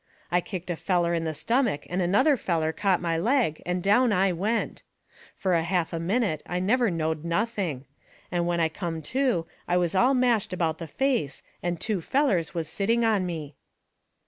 I kicked a feller in the stomach, and another feller caught my leg, and down I went. Fur a half a minute I never knowed nothing. And when I come to I was all mashed about the face, and two fellers was sitting on me.